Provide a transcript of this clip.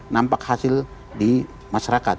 nampak hasil di masyarakat